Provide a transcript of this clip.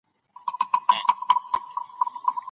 ماشینونه ګیلاسونه نیسي.